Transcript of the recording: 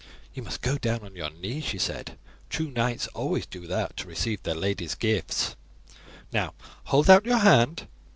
"You must go down on your knee," she said; "true knights always do that to receive their lady's gifts. Now hold out your hand.